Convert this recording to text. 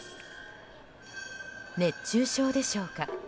熱中症でしょうか。